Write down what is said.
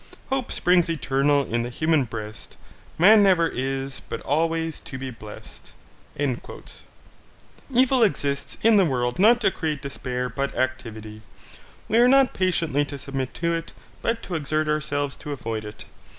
"Hope springs eternal in the Human breast, Man never is, but always to be blest." Evil exists in the world not to create despair but activity. We are not patiently to submit to it, but to exert ourselves to avoid it.